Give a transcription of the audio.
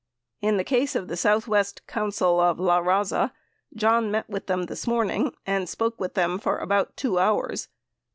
Tn the case of the Southwest Council of Laraza, John met with them this morning and spoke with them for about two hours.